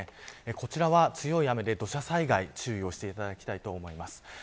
こちらは強い雨で土砂災害に注意をしていただきたいと思います。